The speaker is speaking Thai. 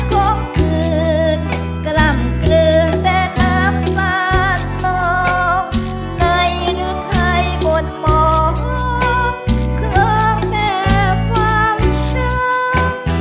ต้นคงคืนกล้ามเกลือแค่น้ำลาดน้องในรุ่นไทยบนหมองเครื่องแค่ความชอบ